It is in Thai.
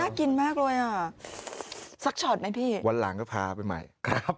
กินมากเลยอ่ะสักช็อตไหมพี่วันหลังก็พาไปใหม่ครับ